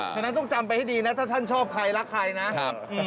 ฉะนั้นต้องจำไปให้ดีนะถ้าท่านชอบใครรักใครนะครับ